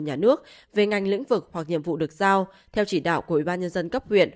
nhà nước về ngành lĩnh vực hoặc nhiệm vụ được giao theo chỉ đạo của ủy ban nhân dân cấp huyện